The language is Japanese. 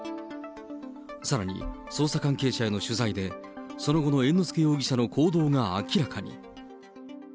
さらに捜査関係者への取材で、その後の猿之助容疑者の行動が明らかに。